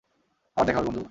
আবার দেখা হবে বন্ধু।